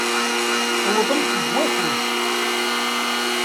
Tuwḍemt deg wakud.